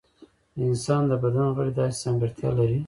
د انسان د بدن غړي داسې ځانګړتیا لري.